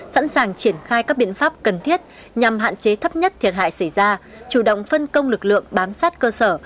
sẵn sàng triển khai các biện pháp cần thiết nhằm hạn chế thấp nhất thiệt hại xảy ra chủ động phân công lực lượng bám sát cơ sở